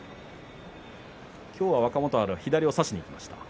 今日は若元春は左を差しにいきました。